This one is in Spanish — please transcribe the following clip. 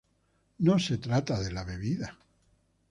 No se trata de la bebida.